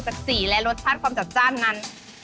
สีและรสชาติความจัดจ้านนั้น